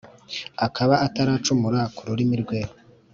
akaba ataracumura ku rurimi rwe,